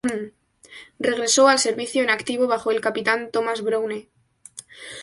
Regresó al servicio en activo bajo el capitán Thomas Browne.